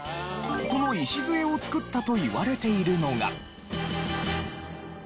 その礎を作ったといわれているのが。